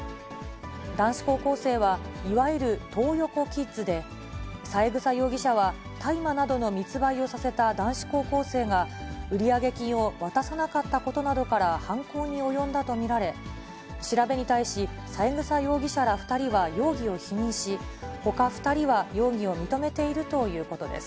男子高校生は、いわゆるトー横キッズで、三枝容疑者は、大麻などの密売をさせた男子高校生が売上金を渡さなかったことなどから犯行に及んだと見られ、調べに対し、三枝容疑者ら２人は容疑を否認し、ほか２人は容疑を認めているということです。